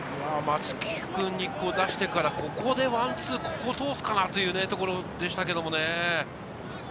松木君に出してから、ここでワンツー、ここ通すかなというところでしたけれど。